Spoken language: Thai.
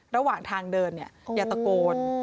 ระหว่างทางเดินเนี่ยอย่าตะโกน